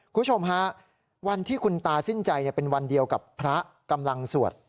คุณผู้ชมฮะวันที่คุณตาสิ้นใจเป็นวันเดียวกับพระกำลังสวด